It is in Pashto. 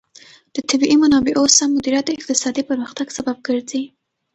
د طبیعي منابعو سم مدیریت د اقتصادي پرمختګ سبب ګرځي.